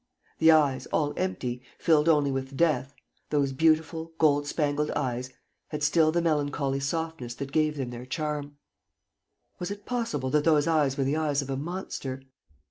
The eyes, all empty, filled only with death, those beautiful gold spangled eyes, had still the melancholy softness that gave them their charm. Was it possible that those eyes were the eyes of a monster?